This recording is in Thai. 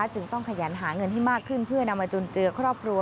จึงต้องขยันหาเงินให้มากขึ้นเพื่อนำมาจุนเจือครอบครัว